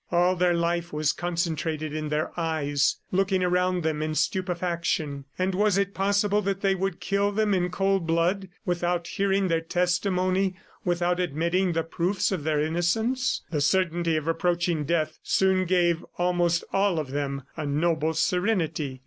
All their life was concentrated in their eyes, looking around them in stupefaction. ... And was it possible that they would kill them in cold blood without hearing their testimony, without admitting the proofs of their innocence! The certainty of approaching death soon gave almost all of them a noble serenity.